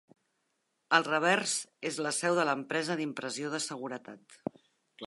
Al revers és la seu de l'empresa d'impressió de seguretat.